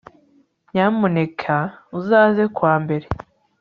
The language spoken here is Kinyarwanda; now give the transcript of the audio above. Nyamuneka uzaze kuwa mbere